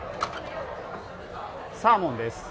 サーモンです。